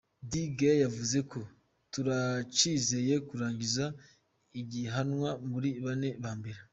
De Gea yavuze ati: "Turacizeye kurangiza ihiganwa muri bane ba mbere.